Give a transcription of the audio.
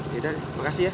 yaudah makasih ya